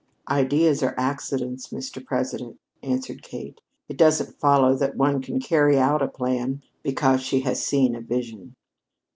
"Ideas are accidents, Mr. President," answered Kate. "It doesn't follow that one can carry out a plan because she has seen a vision."